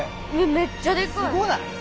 めっちゃでかい！